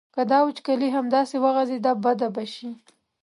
که دا وچکالي همداسې وغځېده بده به شي.